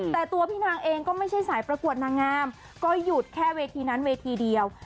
แต่ตัวพี่นางเองก็ไม่ใช่สายประกวดนางงามก็หยุดแค่เวทีนั้นเวทีเดียว